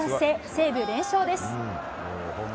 西武連勝です。